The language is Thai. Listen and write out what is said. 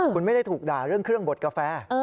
คุณไม่ได้ถูกด่าเรื่องเครื่องบดกาแฟ